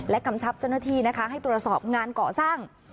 และกำชับจนทีนะคะให้ตรวจสอบงานเกาะสร้าง